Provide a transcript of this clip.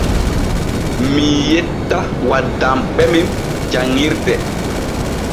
Mii yetta waddamɓe men janŋirde.